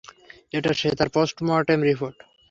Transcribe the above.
এটা শ্বেতার postmortem report.